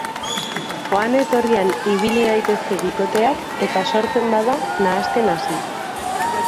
Joan etorrian ibili daitezke bikoteak eta sortzen bada nahasten hasi.